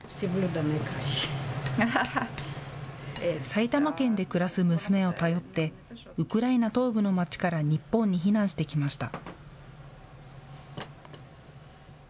埼玉県で暮らす娘を頼ってウクライナ東部の街から日本に避難してきました。